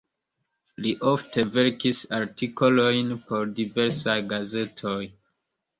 Li ofte verkis artikolojn por diversaj gazetoj.